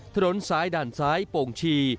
ถนนซ้ายด่านซ้ายโป่งชี